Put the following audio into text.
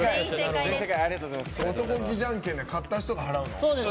男気じゃんけんで勝った人が払うの？